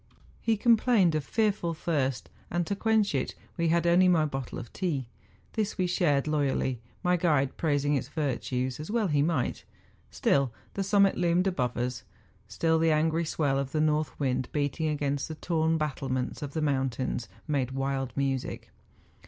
lie complained of fearful thirst, and to quench it we had only my bottle of tea ; this we shared loyally, my guide praising its virtues, as well he might. Still the summit loomed above us ; still the angry swell of the north wind beating against the torn battlements of the mountains, made wild music.